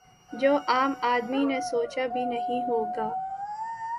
جو عام آدمی نے سوچا بھی نہیں ہو گا